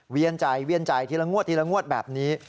เวียนใจทีละงวดแบบนี้